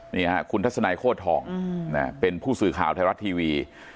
นี่ค่ะคุณทัศนัยโคตรทองเป็นผู้สื่อข่าวไทยรัฐทีวี